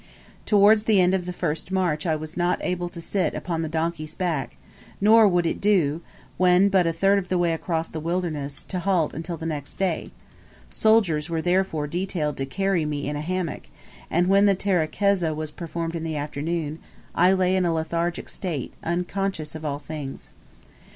Towards the end of the first march I was not able to sit upon the donkey's back; nor would it do, when but a third of the way across the wilderness, to halt until the next day; soldiers were therefore detailed to carry me in a hammock, and, when the terekeza was performed in the afternoon, I lay in a lethargic state, unconscious of all things.